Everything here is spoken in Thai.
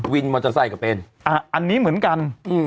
วินมอเตอร์ไซค์ก็เป็นอันนี้เหมือนกัน